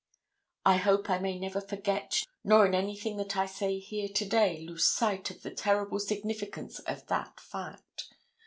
I hope I may never forget nor in anything that I say here to day lose sight of the terrible significance of that fact.